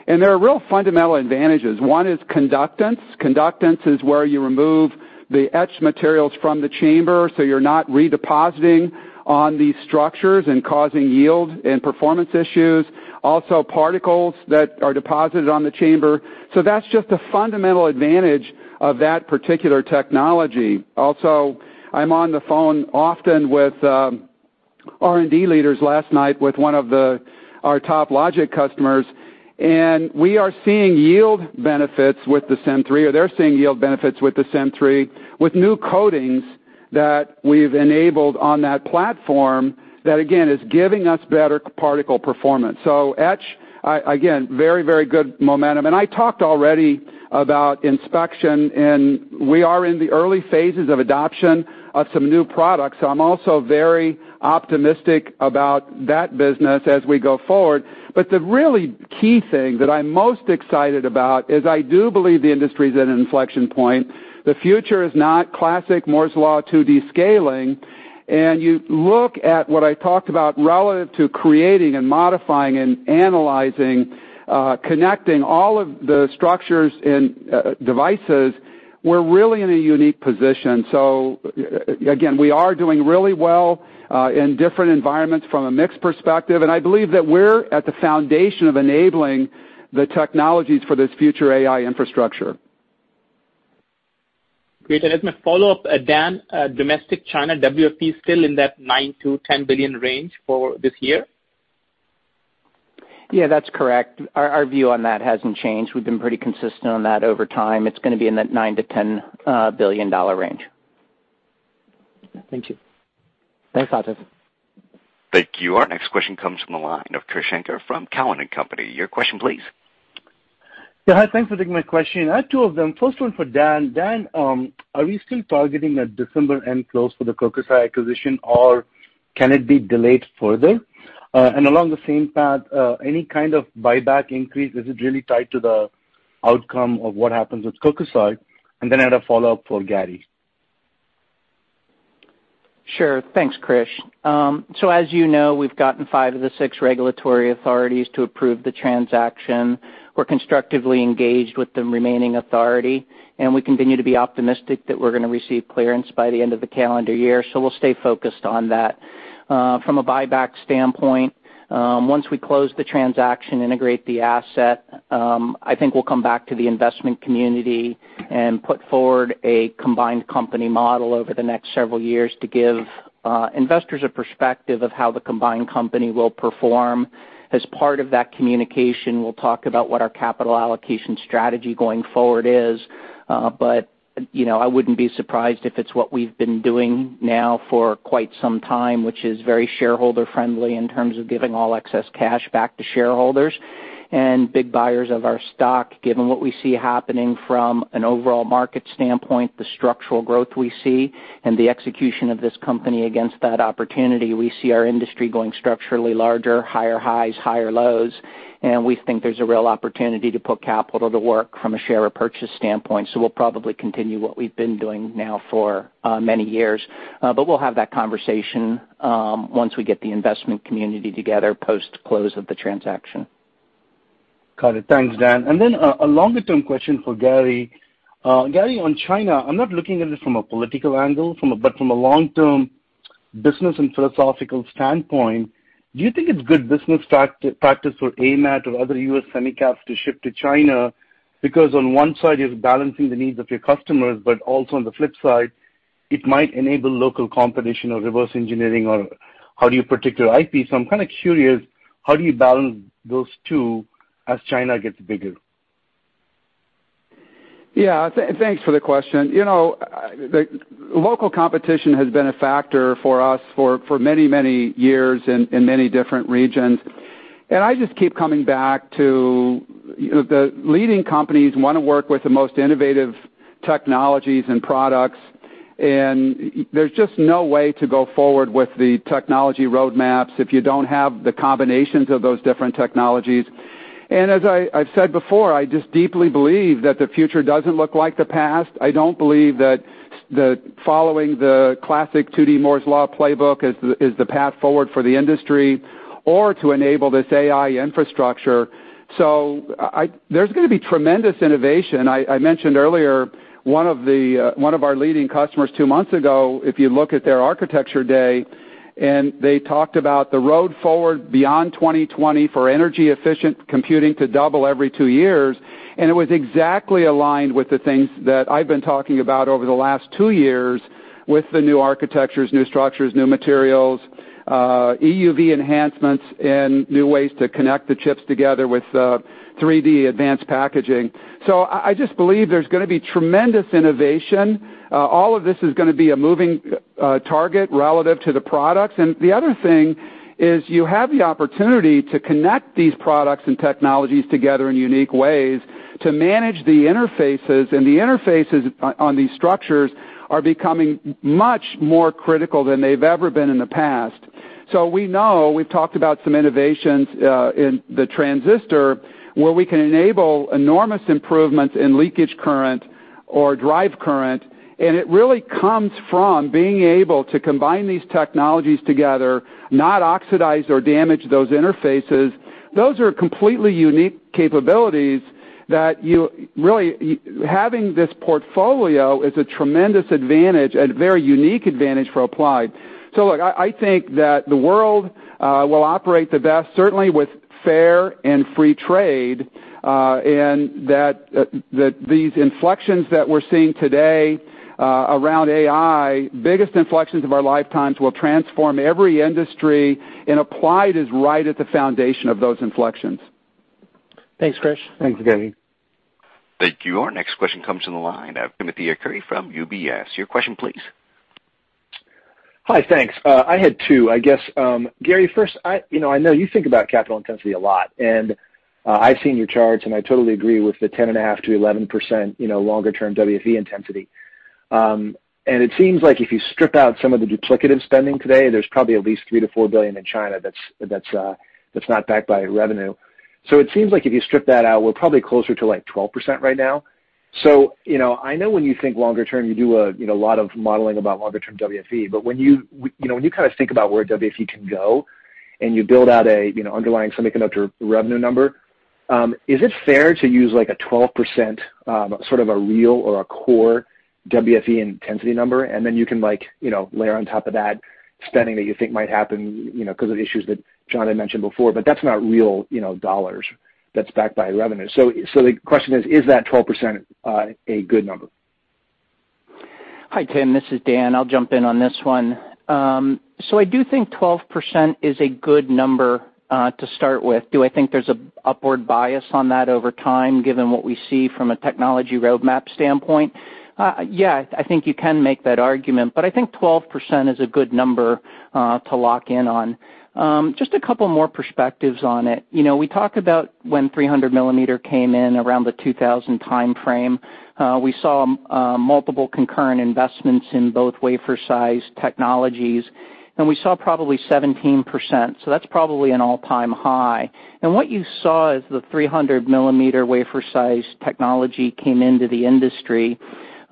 there are real fundamental advantages. One is conductance. Conductance is where you remove the etch materials from the chamber, you're not redepositing on these structures and causing yield and performance issues. Also, particles that are deposited on the chamber. That's just a fundamental advantage of that particular technology. Also I'm on the phone often with R&D leaders last night with one of our top logic customers, and we are seeing yield benefits with the Centura, or they're seeing yield benefits with the Centura, with new coatings that we've enabled on that platform that again, is giving us better particle performance. Etch, again, very very good momentum. I talked already about inspection, and we are in the early phases of adoption of some new products. I'm also very optimistic about that business as we go forward. The really key thing that I'm most excited about is I do believe the industry is at an inflection point. The future is not classic Moore's Law 2D scaling, and you look at what I talked about relative to creating and modifying and analyzing, connecting all of the structures and devices, we're really in a unique position. Again, we are doing really well, in different environments from a mix perspective, and I believe that we're at the foundation of enabling the technologies for this future AI infrastructure. Great. As my follow-up, Dan, domestic China WFE still in that $9 billion-$10 billion range for this year? Yeah, that's correct. Our view on that hasn't changed. We've been pretty consistent on that over time. It's gonna be in that $9 billion-$10 billion range. Thank you. Thanks, Atif. Thank you. Our next question comes from the line of Krish Sankar from Cowen and Company. Your question, please. Yeah. Hi, thanks for taking my question. I have two of them. First one for Dan. Dan, are we still targeting a December end close for the Kokusai acquisition, or can it be delayed further? Along the same path, any kind of buyback increase, is it really tied to the outcome of what happens with Kokusai? I had a follow-up for Gary. Sure. Thanks, Krish. As you know, we've gotten five of the six regulatory authorities to approve the transaction. We're constructively engaged with the remaining authority, and we continue to be optimistic that we're gonna receive clearance by the end of the calendar year. We'll stay focused on that. From a buyback standpoint, once we close the transaction, integrate the asset, I think we'll come back to the investment community and put forward a combined company model over the next several years to give investors a perspective of how the combined company will perform. As part of that communication, we'll talk about what our capital allocation strategy going forward is. You know, I wouldn't be surprised if it's what we've been doing now for quite some time, which is very shareholder-friendly in terms of giving all excess cash back to shareholders and big buyers of our stock, given what we see happening from an overall market standpoint, the structural growth we see, and the execution of this company against that opportunity. We see our industry going structurally larger, higher highs, higher lows, and we think there's a real opportunity to put capital to work from a share or purchase standpoint. We'll probably continue what we've been doing now for many years. We'll have that conversation once we get the investment community together post-close of the transaction. Got it. Thanks, Dan. A longer-term question for Gary. Gary, on China, I'm not looking at it from a political angle but from a long-term business and philosophical standpoint, do you think it's good business practice for AMAT or other U.S. semi caps to ship to China? Because on one side, you're balancing the needs of your customers, but also on the flip side, it might enable local competition or reverse engineering or how do you protect your IP. I'm kind of curious, how do you balance those two as China gets bigger? Yeah. Thanks for the question. You know, the local competition has been a factor for us for many, many years in many different regions. I just keep coming back to, you know, the leading companies wanna work with the most innovative technologies and products, and there's just no way to go forward with the technology roadmaps if you don't have the combinations of those different technologies. As I've said before, I just deeply believe that the future doesn't look like the past. I don't believe that following the classic 2D Moore's Law playbook is the path forward for the industry or to enable this AI infrastructure. There's gonna be tremendous innovation. I mentioned earlier, one of the one of our leading customers two months ago, if you look at their architecture day. They talked about the road forward beyond 2020 for energy efficient computing to double every two years, and it was exactly aligned with the things that I've been talking about over the last two years with the new architectures, new structures, new materials, EUV enhancements and new ways to connect the chips together with 3D advanced packaging. I just believe there's gonna be tremendous innovation. All of this is gonna be a moving target relative to the products. The other thing is you have the opportunity to connect these products and technologies together in unique ways to manage the interfaces, and the interfaces on these structures are becoming much more critical than they've ever been in the past. We know, we've talked about some innovations in the transistor, where we can enable enormous improvements in leakage current or drive current, and it really comes from being able to combine these technologies together, not oxidize or damage those interfaces. Those are completely unique capabilities that you really, having this portfolio is a tremendous advantage and very unique advantage for Applied. Look, I think that the world will operate the best certainly with fair and free trade, and that these inflections that we're seeing today around AI, biggest inflections of our lifetimes, will transform every industry, and Applied is right at the foundation of those inflections. Thanks, Krish. Thanks Gary. Thank you. Our next question comes from the line. I have Timothy Arcuri from UBS. Your question please. Hi, thanks. I had two, I guess. Gary, first, I, you know, I know you think about capital intensity a lot, and I've seen your charts, and I totally agree with the 10.5%-11%, you know, longer term WFE intensity. It seems like if you strip out some of the duplicative spending today, there's probably at least $3 billion-$4 billion in China that's not backed by revenue. It seems like if you strip that out, we're probably closer to, like, 12% right now. You know, I know when you think longer term, you do a, you know, lot of modeling about longer term WFE, but when you know, when you kind of think about where WFE can go, and you build out a, you know, underlying semiconductor revenue number, is it fair to use, like, a 12%, sort of a real or a core WFE intensity number? You can, like, you know, layer on top of that spending that you think might happen, you know, 'cause of issues that John Pitzer had mentioned before, but that's not real, you know, dollars that's backed by revenue. The question is that 12%, a good number? Hi, Tim, this is Dan. I'll jump in on this one. I do think 12% is a good number to start with. Do I think there's a upward bias on that over time, given what we see from a technology roadmap standpoint? Yeah, I think you can make that argument, but I think 12% is a good number to lock in on. Just a couple more perspectives on it. You know, we talked about when 300 mm came in around the 2000 timeframe, we saw multiple concurrent investments in both wafer size technologies, and we saw probably 17%, so that's probably an all-time high. What you saw is the 300 mm wafer size technology came into the industry,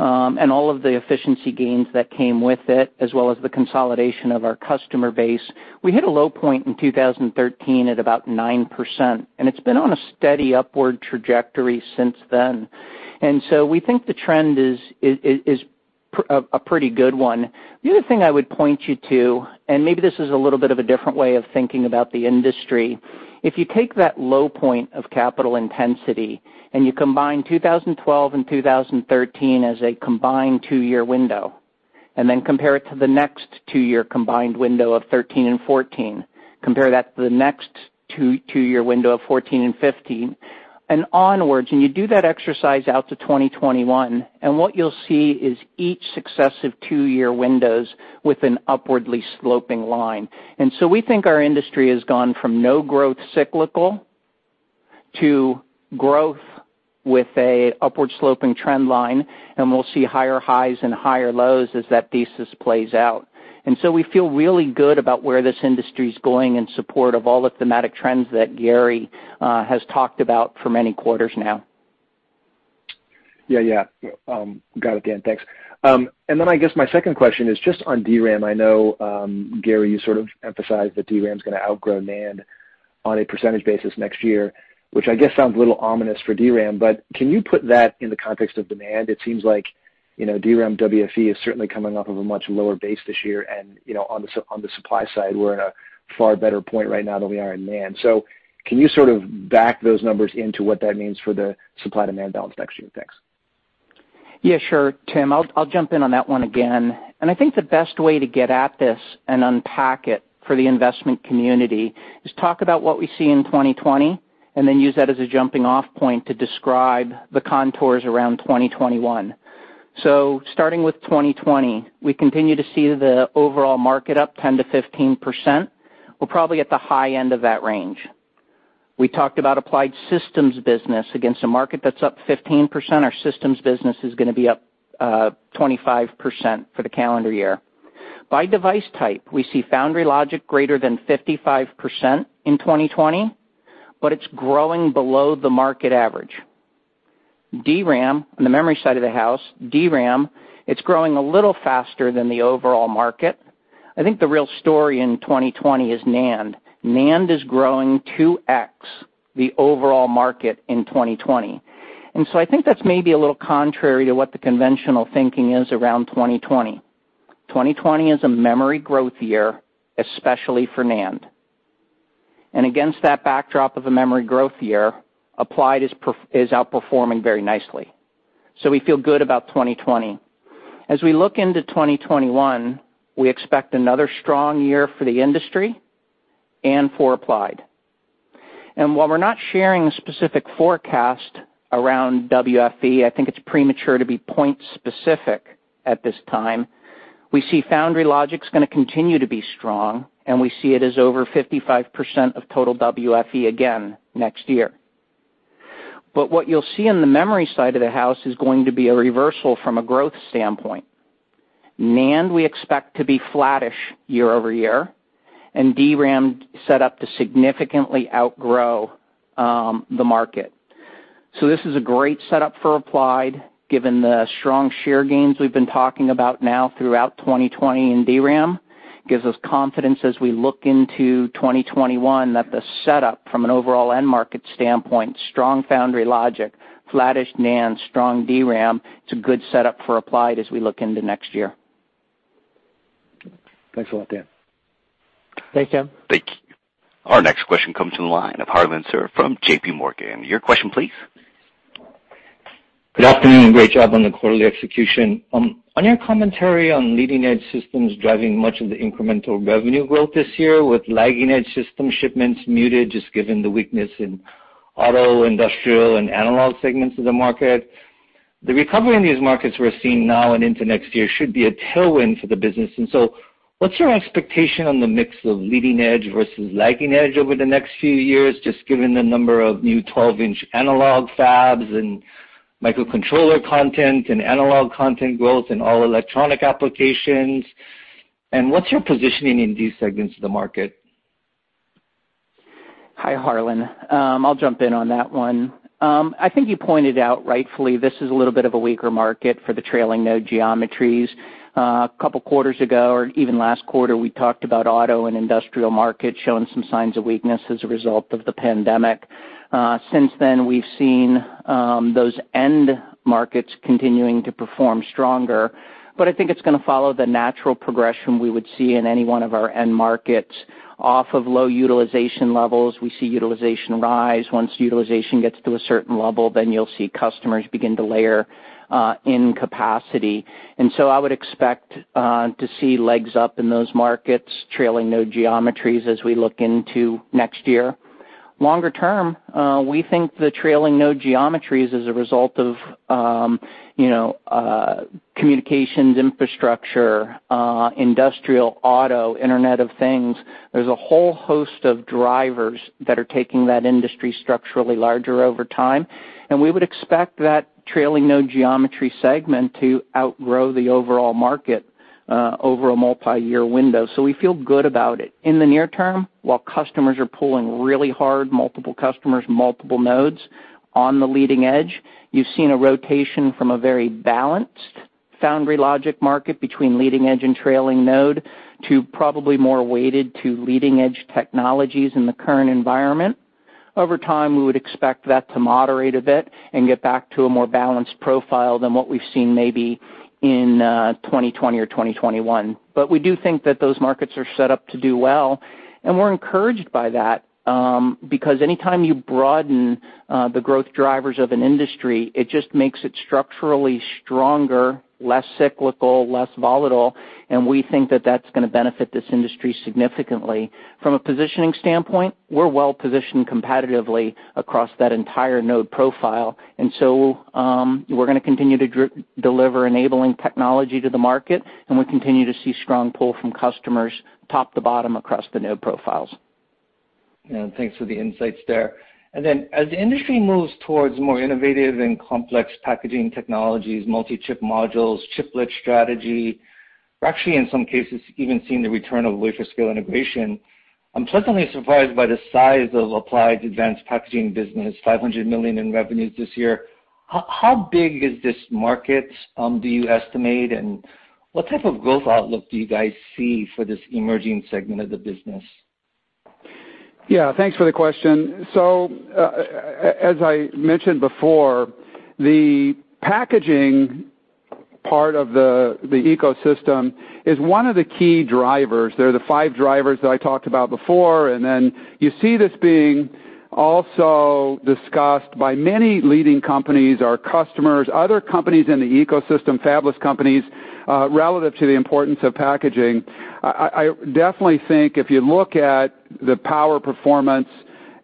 and all of the efficiency gains that came with it as well as the consolidation of our customer base. We hit a low point in 2013 at about 9%, and it's been on a steady upward trajectory since then. We think the trend is a pretty good one. The other thing I would point you to. Maybe this is a little bit of a different way of thinking about the industry. If you take that low point of capital intensity, you combine 2012 and 2013 as a combined two-year window. Then compare it to the next two-year combined window of 2013 and 2014. Compare that to the next two, two-year window of 2014 and 2015, and onwards. You do that exercise out to 2021. What you'll see is each successive two-year windows with an upwardly sloping line. We think our industry has gone from no growth cyclical to growth with an upward sloping trend line, and we'll see higher highs and higher lows as that thesis plays out. We feel really good about where this industry is going in support of all the thematic trends that Gary has talked about for many quarters now. Yeah, yeah. Got it, Dan. Thanks. I guess my second question is just on DRAM. I know, Gary, you sort of emphasized that DRAM's gonna outgrow NAND on a percentage basis next year, which I guess sounds a little ominous for DRAM, but can you put that in the context of demand? It seems like, you know, DRAM WFE is certainly coming off of a much lower base this year, and, you know, on the supply side, we're at a far better point right now than we are in NAND. Can you sort of back those numbers into what that means for the supply-demand balance next year? Thanks. Yeah, sure, Tim. I'll jump in on that one again. I think the best way to get at this and unpack it for the investment community is talk about what we see in 2020 and then use that as a jumping-off point to describe the contours around 2021. Starting with 2020, we continue to see the overall market up 10%-15%. We're probably at the high end of that range. We talked about Applied systems business against a market that's up 15%. Our systems business is gonna be up 25% for the calendar year. By device type, we see foundry logic greater than 55% in 2020, but it's growing below the market average. DRAM, on the memory side of the house, DRAM, it's growing a little faster than the overall market. I think the real story in 2020 is NAND. NAND is growing 2x the overall market in 2020. I think that's maybe a little contrary to what the conventional thinking is around 2020. 2020 is a memory growth year, especially for NAND. Against that backdrop of a memory growth year, Applied is outperforming very nicely. We feel good about 2020. As we look into 2021, we expect another strong year for the industry and for Applied. While we're not sharing a specific forecast around WFE, I think it's premature to be point specific at this time. We see foundry logic's gonna continue to be strong, and we see it as over 55% of total WFE again next year. What you'll see in the memory side of the house is going to be a reversal from a growth standpoint. NAND, we expect to be flattish year-over-year, and DRAM set up to significantly outgrow the market. This is a great setup for Applied, given the strong share gains we've been talking about now throughout 2020 in DRAM. Gives us confidence as we look into 2021 that the setup from an overall end market standpoint, strong foundry logic, flattish NAND, strong DRAM, it's a good setup for Applied as we look into next year. Thanks a lot, Dan. Thanks, Tim. Thank you. Our next question comes from the line of Harlan Sur from JPMorgan. Your question, please. Good afternoon, great job on the quarterly execution. On your commentary on leading-edge systems driving much of the incremental revenue growth this year with lagging edge system shipments muted, just given the weakness in auto, industrial, and analog segments of the market. The recovery in these markets we're seeing now and into next year should be a tailwind for the business. What's your expectation on the mix of leading edge versus lagging edge over the next few years, just given the number of new 12-inch analog fabs and microcontroller content and analog content growth in all electronic applications? What's your positioning in these segments of the market? Hi, Harlan. I'll jump in on that one. I think you pointed out rightfully this is a little bit of a weaker market for the trailing node geometries. A couple of quarters ago or even last quarter, we talked about auto and industrial markets showing some signs of weakness as a result of the pandemic. Since then, we've seen those end markets continuing to perform stronger. I think it's gonna follow the natural progression we would see in any one of our end markets. Off of low utilization levels, we see utilization rise. Once utilization gets to a certain level, then you'll see customers begin to layer in capacity. I would expect to see legs up in those markets, trailing node geometries as we look into next year. Longer term, we think the trailing node geometries as a result of, you know, communications infrastructure, industrial auto, Internet of Things. There's a whole host of drivers that are taking that industry structurally larger over time. We would expect that trailing node geometry segment to outgrow the overall market over a multi-year window. We feel good about it. In the near term, while customers are pulling really hard, multiple customers, multiple nodes on the leading edge, you've seen a rotation from a very balanced foundry logic market between leading edge and trailing node to probably more weighted to leading edge technologies in the current environment. Over time, we would expect that to moderate a bit and get back to a more balanced profile than what we've seen maybe in 2020 or 2021. We do think that those markets are set up to do well, and we're encouraged by that, because anytime you broaden the growth drivers of an industry, it just makes it structurally stronger, less cyclical, less volatile, and we think that that's gonna benefit this industry significantly. From a positioning standpoint, we're well-positioned competitively across that entire node profile. We're gonna continue to deliver enabling technology to the market, and we continue to see strong pull from customers top to bottom across the node profiles. Yeah. Thanks for the insights there. As the industry moves towards more innovative and complex packaging technologies, multi-chip modules, chiplet strategy, we're actually in some cases even seeing the return of wafer scale integration. I'm pleasantly surprised by the size of Applied's advanced packaging business, $500 million in revenues this year. How big is this market do you estimate? What type of growth outlook do you guys see for this emerging segment of the business? Yeah. Thanks for the question. As I mentioned before, the packaging part of the ecosystem is one of the key drivers. They are the five drivers that I talked about before, and then you see this being also discussed by many leading companies, our customers, other companies in the ecosystem, fabless companies, relative to the importance of packaging. I definitely think if you look at the power performance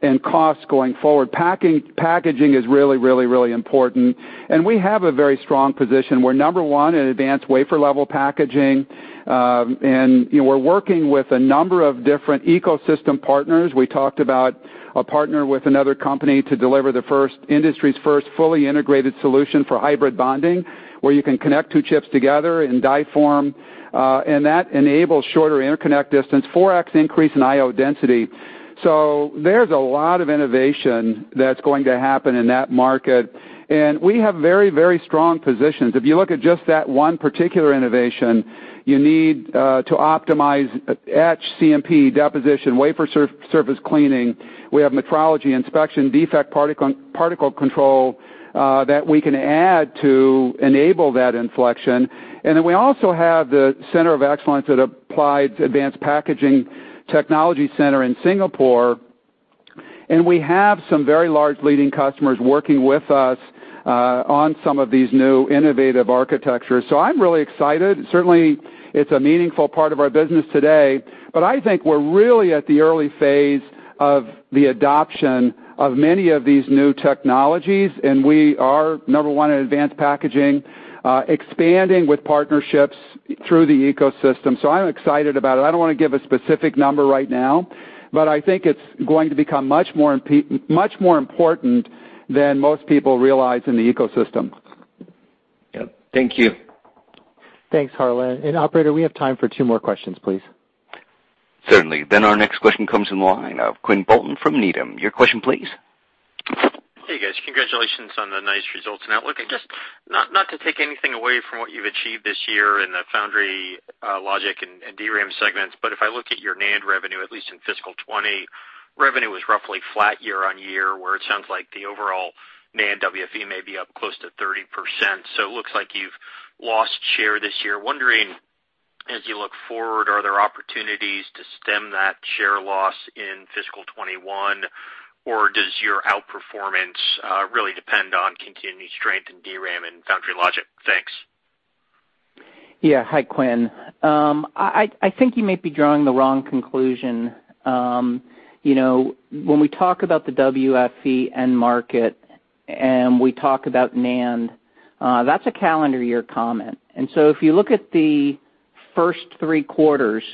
and cost going forward, packaging is really, really, really important, and we have a very strong position. We are number one in advanced wafer-level packaging, and, you know, we are working with a number of different ecosystem partners. We talked about a partner with another company to deliver the industry's first fully integrated solution for hybrid bonding, where you can connect two chips together in die form. That enables shorter interconnect distance, 4x increase in IO density. There's a lot of innovation that's going to happen in that market, and we have very, very strong positions. If you look at just that one particular innovation, you need to optimize etch CMP deposition, wafer surface cleaning. We have metrology inspection, defect particle control, that we can add to enable that inflection. We also have the center of excellence at Applied's Advanced Packaging Technology Center in Singapore. We have some very large leading customers working with us on some of these new innovative architectures. I'm really excited. Certainly, it's a meaningful part of our business today, but I think we're really at the early phase of the adoption of many of these new technologies, and we are number one in advanced packaging, expanding with partnerships through the ecosystem. I'm excited about it. I don't wanna give a specific number right now, but I think it's going to become much more important than most people realize in the ecosystem. Yep. Thank you. Thanks, Harlan. Operator, we have time for two more questions, please. Certainly. Our next question comes in the line of Quinn Bolton from Needham. Your question please. Hey, guys. Congratulations on the nice results and outlook. Just not to take anything away from what you've achieved this year in the foundry, logic and DRAM segments, if I look at your NAND revenue, at least in fiscal 2020, revenue was roughly flat year-over-year, where it sounds like the overall NAND WFE may be up close to 30%. It looks like you've lost share this year. Wondering, as you look forward, are there opportunities to stem that share loss in fiscal 2021, does your outperformance really depend on continued strength in DRAM and foundry logic? Thanks. Hi, Quinn. I think you may be drawing the wrong conclusion. You know, when we talk about the WFE end market and we talk about NAND, that's a calendar year comment. If you look at the first three quarters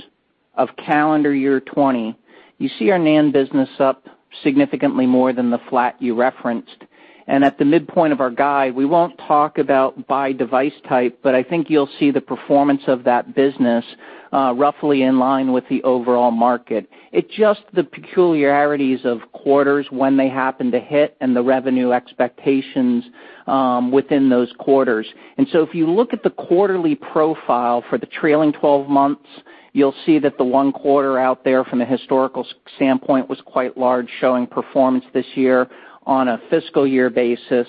of calendar year 2020, you see our NAND business up significantly more than the flat you referenced. At the midpoint of our guide, we won't talk about by device type, but I think you'll see the performance of that business roughly in line with the overall market. It's just the peculiarities of quarters when they happen to hit and the revenue expectations within those quarters. If you look at the quarterly profile for the trailing 12 months, you'll see that the one quarter out there from a historical standpoint was quite large, showing performance this year on a fiscal year basis,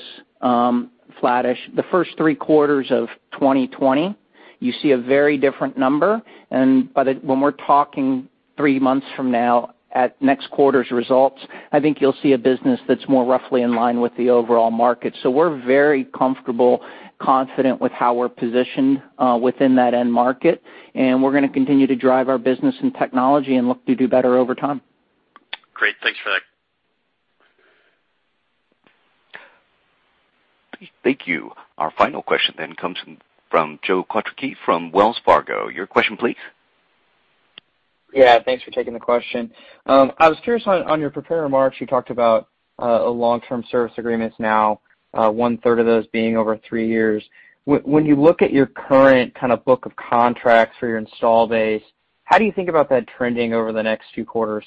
flattish. The first three quarters of 2020, you see a very different number, and when we're talking three months from now at next quarter's results, I think you'll see a business that's more roughly in line with the overall market. We're very comfortable, confident with how we're positioned, within that end market, and we're gonna continue to drive our business and technology and look to do better over time. Great. Thanks for that. Thank you. Our final question then comes from Joe Quatrochi from Wells Fargo. Your question please. Yeah, thanks for taking the question. I was curious on your prepared remarks, you talked about long-term service agreements now, 1/3 of those being over three years. When you look at your current kind of book of contracts for your install base, how do you think about that trending over the next two quarters?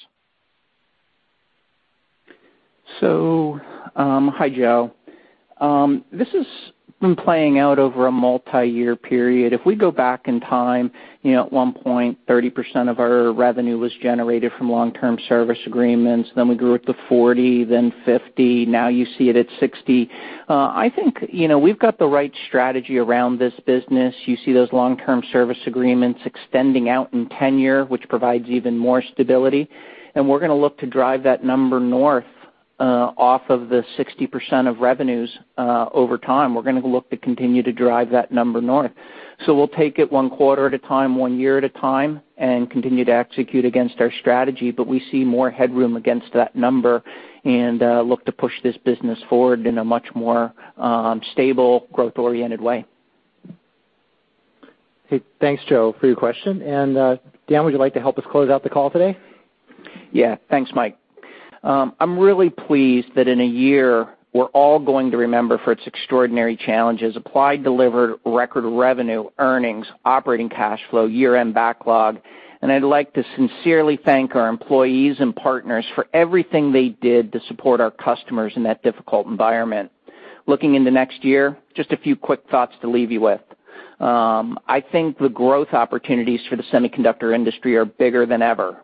Hi, Joe. This has been playing out over a multi-year period. If we go back in time, you know, at one point, 30% of our revenue was generated from long-term service agreements, then we grew it to 40%, then 50%. Now you see it at 60%. I think, you know, we've got the right strategy around this business. You see those long-term service agreements extending out in tenure, which provides even more stability, we're gonna look to drive that number north, off of the 60% of revenues, over time. We're gonna look to continue to drive that number north. We'll take it one quarter at a time, one year at a time, and continue to execute against our strategy, but we see more headroom against that number and look to push this business forward in a much more stable, growth-oriented way. Hey, thanks, Joe, for your question. Dan, would you like to help us close out the call today? Yeah. Thanks, Mike. I'm really pleased that in a year we're all going to remember for its extraordinary challenges, Applied delivered record revenue, earnings, operating cash flow, year-end backlog, and I'd like to sincerely thank our employees and partners for everything they did to support our customers in that difficult environment. Looking into next year, just a few quick thoughts to leave you with. I think the growth opportunities for the semiconductor industry are bigger than ever.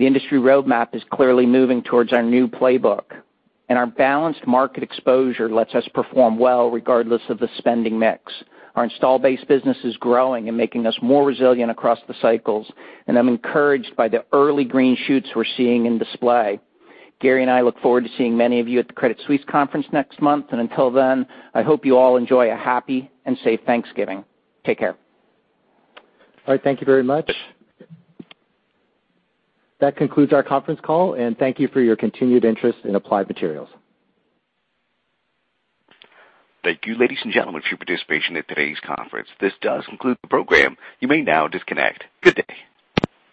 The industry roadmap is clearly moving towards our new playbook, and our balanced market exposure lets us perform well regardless of the spending mix. Our install base business is growing and making us more resilient across the cycles, and I'm encouraged by the early green shoots we're seeing in display. Gary and I look forward to seeing many of you at the Credit Suisse conference next month. Until then, I hope you all enjoy a happy and safe Thanksgiving. Take care. All right. Thank you very much. That concludes our conference call, and thank you for your continued interest in Applied Materials. Thank you, ladies and gentlemen, for your participation in today's conference. This does conclude the program. You may now disconnect. Good day.